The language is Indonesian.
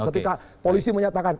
ketika polisi menyatakan